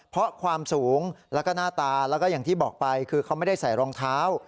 เพราะความสูงแล้วก็หน้าตาแล้วก็อย่างที่บอกไปคือเขาไม่ได้ใส่รองเท้า